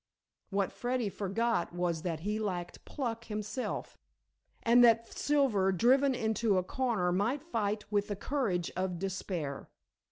What Freddy forgot was that he lacked pluck himself, and that Silver, driven into a corner, might fight with the courage of despair.